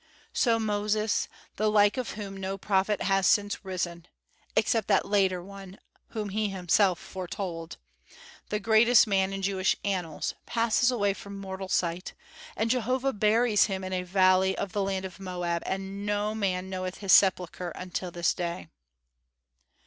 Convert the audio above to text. So Moses, the like of whom no prophet has since arisen (except that later One whom he himself foretold), the greatest man in Jewish annals, passes away from mortal sight, and Jehovah buries him in a valley of the land of Moab, and no man knoweth his sepulchre until this day.